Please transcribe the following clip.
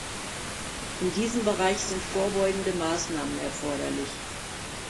In diesem Bereich sind vorbeugende Maßnahmen erforderlich.